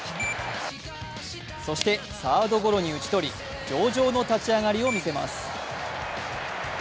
そして、サードゴロに打ち取り上々の立ち上がりを見せます。